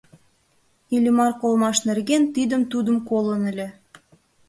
Иллимар колымаш нерген тидым-тудым колын ыле.